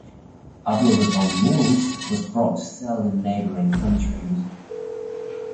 Uploaded on mules, was brought to sell in neighboring countries.